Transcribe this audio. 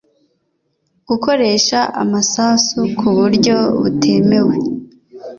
Gukoresha amasasu ku buryo butemewe